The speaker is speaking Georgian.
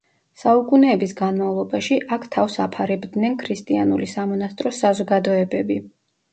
საუკუნეების განმავლობაში, აქ თავს აფარებდნენ ქრისტიანული სამონასტრო საზოგადოებები.